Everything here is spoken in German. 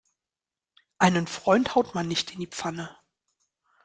Einen Freund haut man nicht in die Pfanne.